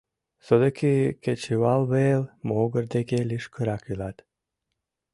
Содыки кечывалвел могыр деке лишкырак илат».